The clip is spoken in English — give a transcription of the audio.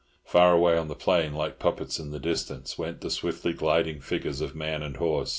Far away on the plain, like puppets in the distance, went the swiftly gliding figures of man and horse.